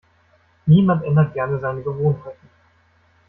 Niemand ändert gerne seine Gewohnheiten.